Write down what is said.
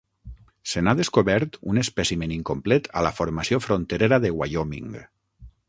Se n'ha descobert un espècimen incomplet a la formació fronterera de Wyoming.